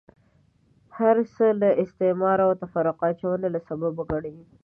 هرڅه له استعماره او تفرقه اچونې له سببه ګڼي.